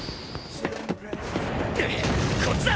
こっちだ！